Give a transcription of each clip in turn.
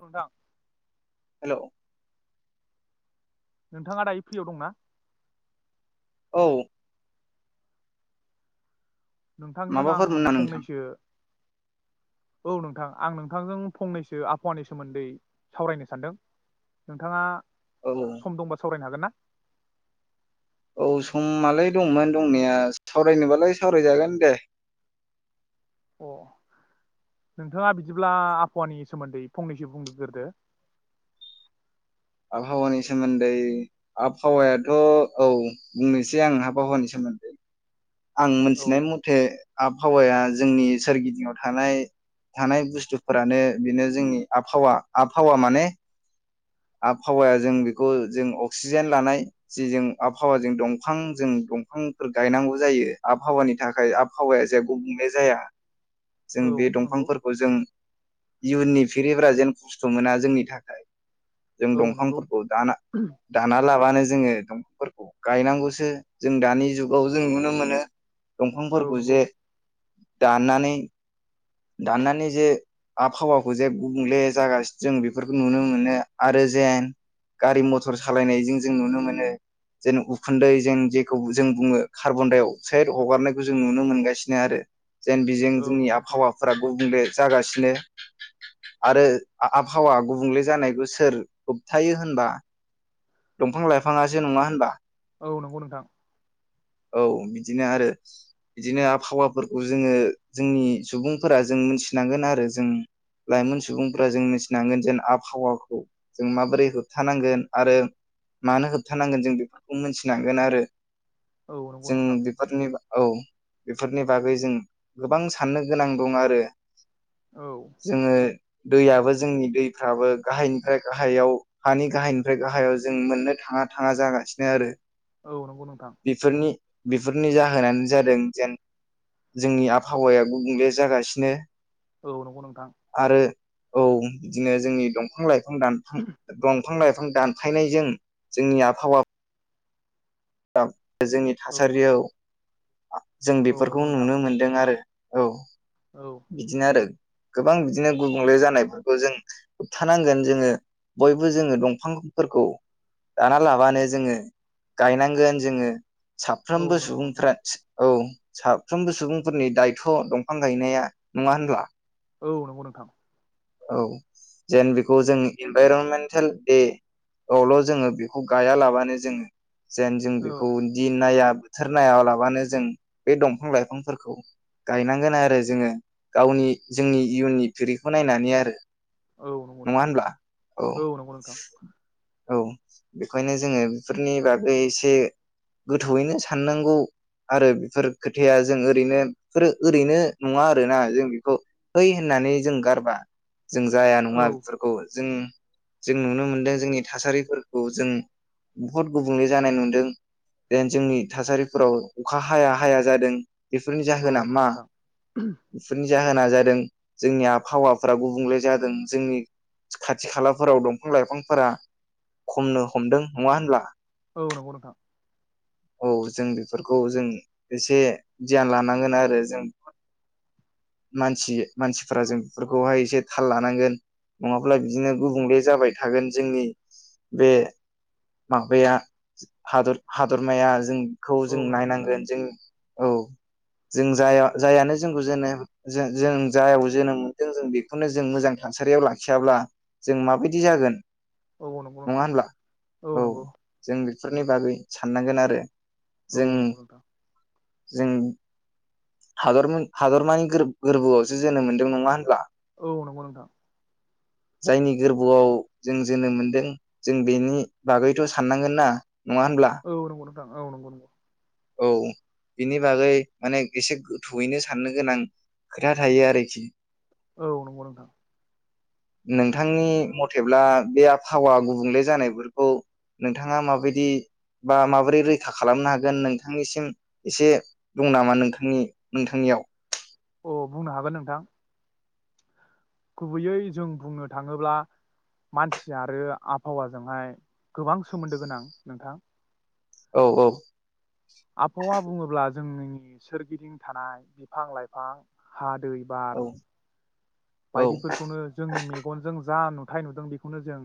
नोंथां। [inaudible] नोंथाङा दायो फ्रियाव दंना। औ। नोंथांजों आं माबाफोरमोन ना नोंथां फंनैसो। औ नोंथां आं नोंथांजों फंनैसो आबहावानि सोमोन्दै सावरायनो सानदों नोंथाङा। औ। सम दंबा सावरायनो हागोन ना। औ समालाय दंमोन दंनाया सावरायनोबालाय सावरायजागोन दे। अ नोंथाङा बिदिब्ला आबहावानि सोमोन्दै फंनैसो बुंग्रोदो। आबहावानि सोमोन्दै आबहावायाथ' औ बुंनोसै आं आबहावानि सोमोन्दै। आं औ मोनथिनाय मथे आबहावाया जोंनि सोरगिदिंयाव थानाय थानाय बुस्थुफोरानो बेनो जोंनि आबहावा आबहावा माने आबहावाया जों बेखौ जों अक्सिजेन लानाय जि जों आबहाव जों दंफां जों दंफांफोर गायनांगौ जायो आबहावानि थाखाय आबहावाया जे गुबुंले जाया जों औ बे नंगौ दंफांफोरखौ जों इयुननि फिरिफोरारा जेन खस्थ' मोना जोंनि थाखाय जों औ नंगौ दंफांफोरखौ दाना दाना लाबानो जोङो दफ फोरखौ गायनांगौसो जों दानि जुगाव जों नुनो मोनो औ दंफांफोर नंगौ गुजे दाननानै दाननानै जे आबहावाखौ जे गुबुंले जागासिनो जों बेफोरखौ नुनो मोनो आरो जेन गारि मथर सालायनायजों जों नुनो मोनो जेन उखुन्दै जों जेखौ जों बुङो कार्बन दडाइ अक्साइद हगारनायखौ जों नुनो मोनगासिनो आरो। जेन बिजों औ जोंनि नंगौ नोंथां आबहावाफोरा गुबुंले जागासिनो आरो आबहावा गुबुंले जानाय गोसो सोर होबथायो होनबा दंफां लाइफाङासो नङा होनबा औ नंगौ नोंथां। औ बिदिनो आरो बिदिनो आबहावाफोरखौ जोङो जोंनि सुबुंफोरा जों मोनथिनांगोन आरो जों लाइमोन सुबुंफोरा जों मिथिनांगोन जेन आबहावाखौ जों माबोरै होबथानांगोन आरो मानो होबथानांगोन जों बेफोरखौ मोनथिनांगोन आरो। औ नंगौ जों नोंथां बेफोरनि औ बेफोरनि बागै जों गोबां साननो गोनां दं आरो। औ जोङो दैयाबो जोंनि दैफ्राबो गाहायनिफ्राय गाहायाव हानि गाहायनिफ्राय गाहायाव जों मोननो थाङा थाङा जागासिनो आरो। औ नंगौ नोंथां। बेफोरनि बेफोरनि जाहोनानो जादों जेन जोंनि आबहावाया गुबुंले जागासिनो औ नंगौ नोंथां! आरो औ बिदिनो जोंनि दंफां लाइफां दानफां दंफां लाइफ बिफां दानफायनायजों जोंनि आबहावा [inaudible] जोंनि औ थासारियाव जों औ नंगौ बेफोरखौ नोंथां नुनो मोनदों आरो। औ औ बिदिनो आरो। गोबां बिदिनो गुबुंले जानायफोरखौ जों होबथानांगोन जोङो बयबो जोङो दंफांफोरखौ दाना लाबानो जोङो गायनाय गोन जोङो। औ साफ्रोमबो नंगौ नोंथां सुबुंफ्रा औ साफ्रोमबो सुबुंफोरनि दायथ' दंफां गायनाया नङा होनब्ला? औ नंगौ नोंथां। औ जेन बेखौ जों इनभारमेन्टेल दे आवल' जोङो बेखौ गायालाबानो जोङो जेन जों औ बेखौदि नाया। बोथोर नाया लाबानो जों बे दंफां लाइफांफोरखौ गायनांगोन आरो जोङो गावनि जोंनि इयुननि फिरिखौ नायनानै आरो। औ नंगौ नङा नोंथां होनब्ला? औ। नंगौ नोंथां औ बेखायनो जोङो बेफोरनि बा एसे गोथौयैनो साननांगौ आरो बेफोर खोथाया जों ओरैनो बेफोरो ओरैनो नङा आरोना? जों बेखौ है होननानै जों गारबा। जों जाया नङा औ बेफोरखौ। जों जों नुनो मोनदों जोंनि थासारिफोरखौ जों बुहद गुबन बुंले जानाय नुदों जेन जोंनि थासारिफोराव अखा हाया हाया जादों। बेफोरनि औ जाहोना नंगौ मा? नोंथां बेफोरनि जाहोना जादों जोंनि आबहावाफोरा गुबुंले जादों, जोंनि खाथि खालाफोराव दंफां लाइफांफोरा खमनो हमदों नङा होनब्ला? औ नंगौ नोंथां। औ जों बेफोरखौ जों एसे गियान लानांगोन आरो जों मानसि मानसिफोरा जों बेफोरखौहाय एसे थाल लानांगोन, नङाब्ला बिदिनो गुबुंले जाबाय थागोन जोंनि बे माबाया हादर हादरमाया जों खौ औ जों नंगौ नोंथां नायनांगोन। जों औ जों जाया जायानो जोंखौ जेननो। जों जायाव जोनोम मोनदों जों बेखौनो जों मोजां थासारियाव लाखियाब्ला जों माबायदि जागोन? औ नंगौ नङा नोंथां औ नंगौ। फोरनि बागै साननांगोन आरो। औ जों नंगौ नोंथां जों हादर हादरमानि गोरबोआवसो जोनोम मोनदों नङा होनब्ला? औ नंगौ नोंथां। जायनि गोरबोआव जों जोनोम मोनदों जों बेनि बागैथ' साननांगोन ना? नङा होनब्ला? औ नंगौ औ नगौ नगौ। औ बिनि बागै माने एसे गोथौयैनो साननो गोनां खोथा थायो आरोखि। औ नंगौ नोंथां। नोंथांनि मथेब्ला बे आबहावा गुबुंले जानायफोरखौ नोंथाङा माबायदि बा माबोरै रैखा खालामनो हागोन नोंथांनिसिम एसे दं नामा नोंथांनि नोंथांनियाव? अ बुंनो हागोन नोंथां। गुबैयै जों बुंनो थाङोब्ला मानसि आरो आबहावाजोंहाय गोबां सोमोन्दो गोनां नोंथां। औ औ आबहावा बुङोब्ला जोंनि सोरगिदिं थानाय बिफां लाइफां हाद दै औ बार औ बायदिफोरखौनो जोंनि मेगनजों जा नु थाय नुदों बेखौनो जों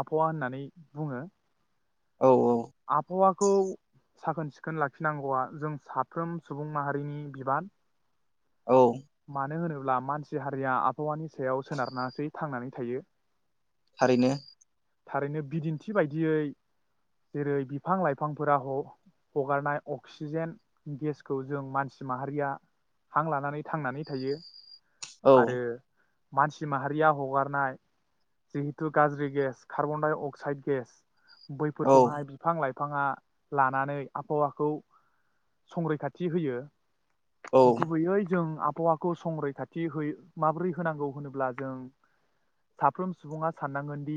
आबहावा होननानै बुङो। औ आबहावा खौ साखोन सिखोन लाखिनांगौआ जों साफ्रोम सुबुं माहारिनि बिबान। औ मानो होनो मानसि हारिया आब आबहावानि सायाव सोनारनासै थांनानै थायो। थारैनो। थारैनो बिदिन्थि बायदियै जेरै बिफां लाइफांफोरा ह-हगारनाय अक्सिजेन गेसखौ जों मानसि माहारिया हां लानानै थांनानै थायो। औ आरो मानसि माहारिया हगारनाय जिहेतु गाज्रि gas carbon dioxide gas औ बैफोरखौहाय बिफां लाइ फाङा लानानै आबहावाखौ संरैखाथि होयो। औ गुबैयै जों आबहावाखौ संरैखाथि होयो माबोरै होनांगौ होनोब्ला जों साफ्रोम सुबुङा साननांगोन दि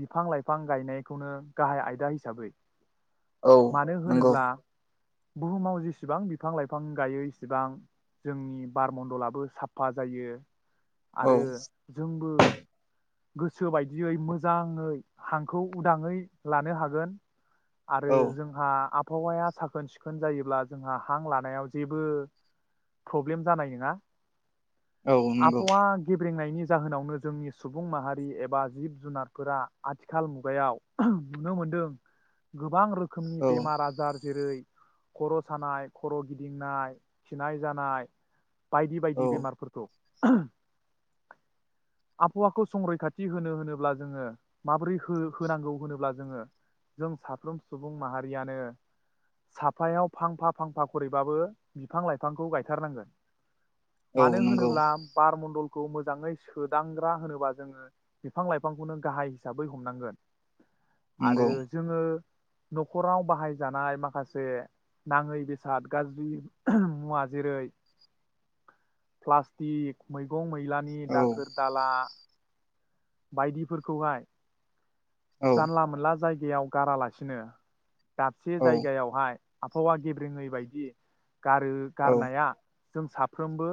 बिफां लाइफां गायनायखौनो गाहाइ आयदा हिसाबै। औ मानो नंगौ होनोब्ला बुहुमाव जेसेबां बिफां लाइफां गायो इसेबां जोंनि बारमन्दलाबो साफा जायो। औ आरो जोंबो गोसो बायदियै मोजाङै हांखौ उदाङै लानो हागोन। आरो औ जोंहा आब बहावाया साखोन सिखोन जायोब्ला जोंहा हां लानायाव जेबो प्रब्लेम जानाय नङा। औ नंगौ आबहावा गेब्रेंनायनि जाहोनावनो जोंनि सुबुं माहारि एबा जिब जुनारफोरा आथिखाल मुगायाव नुनो मोनदों गोबां रोख खोमनि औ बेमार आजार जेरै खर' सानाय खर गिदिंनाय खिनाय जानाय। बायदि औ बायदि बेमारफोरखौ [inaudible] आबहावाखौ संरैखाथि होनो होनोब्ला जोङो माबोरै हो होनांगौ होनोब्ला जोङो जों साफ्रोम सुबुं माहारियानो साफायाव फांफा फांफा खरैबाबो बिफां लाइफांखौ गायथारनांगोन। औ मानो नंगौ होनोब्ला बारमडल खौ मोजाङै सो दांग्रा होनोबा जोङो बिफां लाइफांखौनो गाहाइ हिसाबै हमनांगोन नंगौ आरो जोङो नखराव बाहायजानाय माखासे नाङै बेसाद गाज्रि मुवा जेरै प्लास्टिक मैगं मै लानि औ दा खोर दाला बायदि फोरखौहाय। औ जानला मोनला जायगा बेयाव गारालासिनो दाबसे औ जायगायावहाय आबहावा गेब्रेङै बायदि गारो औ गारनाया जों साफ्रोमबो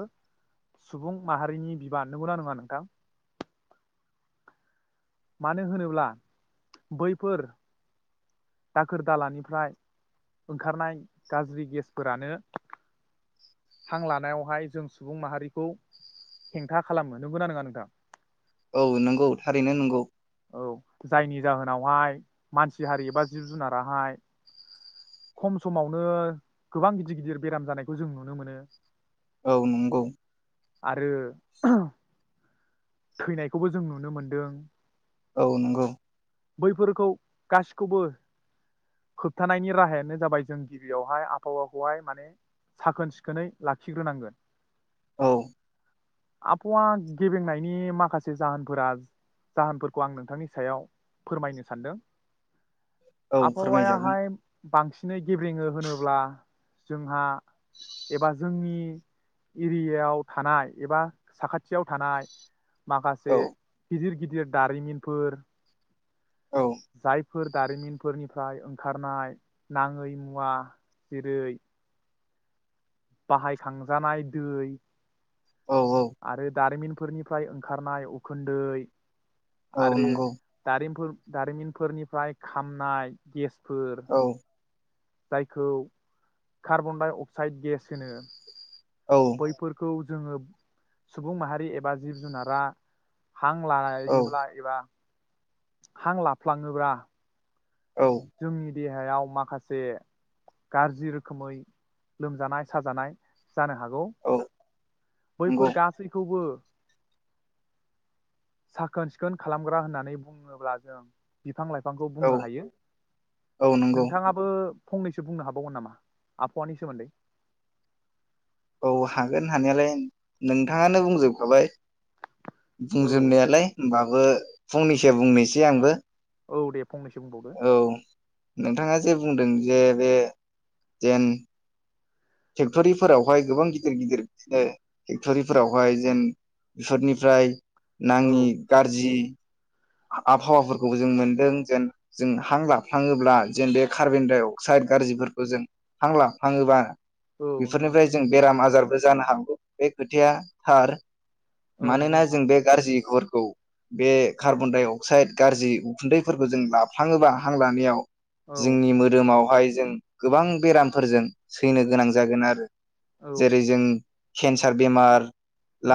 सुबुं माहारिनि बिबान नगौना नङा नोंथां? मानो होनोब्ला बैफोर दाखोर दालानिफ्राय ओंखारनाय गाज्रि गेसफोरानो हां लानायावहाय जों सुबुं माहारिखौ हेंथा खालामो नोगौना नङा नोंथां? औ नोंगौ थारैनो नोंगौ। औ जायनि जाहोनावहाय मानसि हारि एबा जिब- जुनाराहाय खम समावनो गोबां गिदिर गिदिर बेराम जानायखौ जों नुनो मोनो। औ नंगौ। आरो थैनायखौबो जों नुनो मोनदों। औ नंगौ। बैफोरखौ गासिखौबो होबथानायनि राहायानो जाबाय जों गिबियावहाय आबहावाखौहाय माने साखोन सिखोनै लाखिग्रोनांगोन। औ। आबहावा गेबेंनायनि माखासे जाहोनफोरा जाहोनफोरखौ आं नोंथांनि सायाव फोरमायनो सानदों औ फोरमायजागोन आबहावायाहाय बांसिनै गेब्रेङो होनोब्ला जोंहा एबा जोंनि एरियायाव थानाय एबा साखाथियाव थानाय माखासे औ गिजिर गिदि दारिमिनफोर औ जाय फोर दारिमिनफोरनिफ्राय ओंखारनाय नाङै मुवा जेरै बाहायखांजानाय दै। औ आरो दारिमिन। फोरनिफ्राय ओंखारनाय उखोनन्दै औ आरो नंगौ दारिमपुर दारिमिनफोरनिफ्राय खामनाय गेस फोर औ जायखौ कार्बन डाइ अक्साइड गेस होनो। औ बै फोरखौ। जोङो सुबुं माहारि एबा जिब- जुनारा हां औ लाइयोब्ला एबा हां लाफ्लाङोब्ला औ। जोंनि देहायाव माखासे गाज्रि रोखोमै लोमजानाय साजानाय। जानो हागौ। नंगौ औ बैफोर गासैखौबो साखोन-सिखोन खालामग्रा होननानै बुङोब्ला जों बिफां लाइफांखौ बुंनो हायो औ नंगौ नोंथाङाबो फंनैसो बुंनो हाबावगोन नामा आबहावानि सोमोन्दै? औ हागोन हानायालाय नोंथाङानो बुंजोबखाबाय। औ बुंजोबनोयालाय होमबा बो फंनैसो बुंनोसै आंबो औ दे बुं फंनैसो बुंबावदो औ नोंथाङा जे बुंदों जे बे जेन फेक्ट'रिफोरावहाय गोबां गिदिर गिदिर बिदिनो फेक्ट'रिफोरावहाय जेन बेफोरनिफ्राय औ नाङि गाज्रि आबहावाफोरखौबो जों मोनदों जेन जों हां लाफ्लाङोब्ला जेन बे कार्बन डाइ अक्साइद गाज्रिफोरखौ जों हां लाफ्लाङोबा औ नंगौ बेफोरनिफ्राय नोंथां जों बेराम आजार जानो हागौ बे खोथाया थार। औ नंगौ मानोना नोंथां जों बे गाज्रि‌ खौरां औ बे औ कार्बन-डाइ-अक्साइड गारजि उखुन्दैफोरखौ जों लाफ्लाङोबा हां लानायाव औ जोंनि मोदोमावहाय जों गोबां बेरामफोरजों सैनो गोनां जागोन आरो औ जेरै जों केन्सार बेमार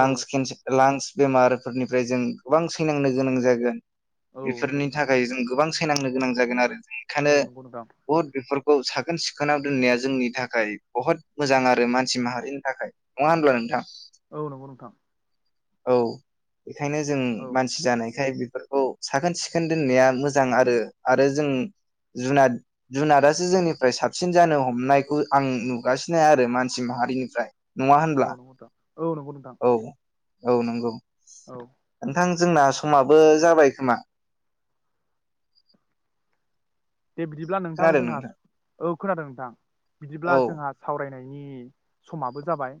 औ लांस बेमारफोरनिफ्राय जों गोबां सैनांनो गोनां जागोन औ नंगौ बेफोरनि नोंथां थाखाय जों गोबां फायनांनो गोनां जागोन आरो औ बेखायनो नंगौ नोंथां बहुद बेफोरखौ साख साखोन सिखोनाव दोननाया जोंनि थाखाय बहुत मोजां आरो मानसि माहारिनि थाखाय नङा होनब्ला नोंथां। औ नंगौ नोंथां औ बेखायनो जों औ मानसि जानाय बेखाय बेफोरखौ साखोन सिखोन दोननाया मोजां आरो आरो जों जुनाद जुनादासो जोंनिफ्राय साबसिन जानो हमनायखौ आं नुगासिनो आरो मानसि माहारिनिफ्राय नङा होनब्ला औ नंगौ नोंथां औ नंगौ नोंथां औ औ नंगौ औ नोंथां जोंना समाबो जाबाय खोमा दे बिदिब्ला नोंथां जोंहा औ खोनादों नोंथां बिदिब्ला औ जोंहा सावरायनाय समाबो जाबाय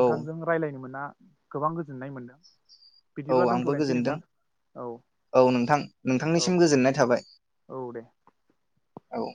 औ रायज्लायनो मोना गोबां गोजोननाय मोनदों औ बिदिब्ला आंबो दोनथ'लायनोसै गोजोनदों नोंथां औ औ नोंथां औ नोंथांनिसिम गोजोननाय थाबाय औ दे औ